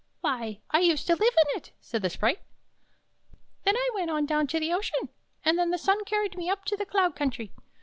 "" Why, I used to live in it," said the sprite. " Then I went on down to the ocean, and then the sun carried me up to the cloud country.